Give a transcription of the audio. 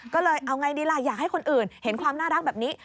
ก็เลยเอาไงดีล่ะอยากให้คนอื่นเห็นความน่ารักแบบนี้